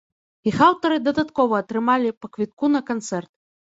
Іх аўтары дадаткова атрымалі па квітку на канцэрт.